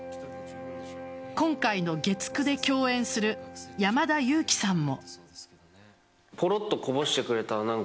今回の月９で共演する山田裕貴さんも。